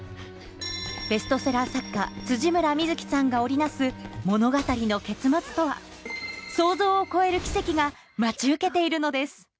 ベストセラー作家村深月さんが織り成す想像を超える奇跡が待ち受けているのです